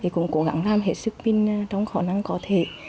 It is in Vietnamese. cũng cố gắng làm hết sức mình trong khả năng có thể